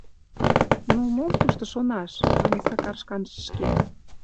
— Ну, мом тушто шонаш! — мане Сакар шканже шке.